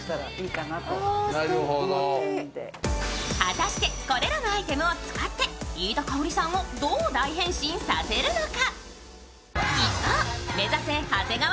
果たしてこれらのアイテムを使って飯田圭織さんをどう大変身させるのか。